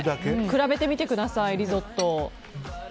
比べてみてください、リゾット。